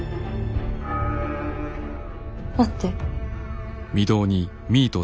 待って。